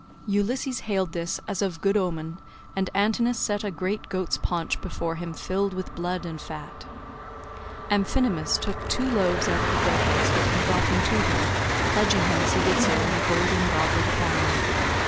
Ulysses hailed this as of good omen, and Antinous set a great goat's paunch before him filled with blood and fat. Amphinomus took two loaves out of the bread basket and brought them to him, pledging him as he did so in a golden goblet of wine.